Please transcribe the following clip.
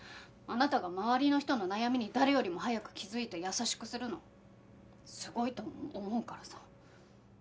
あなたが周りの人の悩みに誰よりも早く気づいて優しくするのすごいと思うからさ。